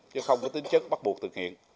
chứ không có tính chất bắt buộc thực hiện